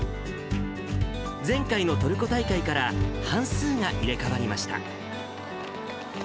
前回のトルコ大会から半数が入れ代わりました。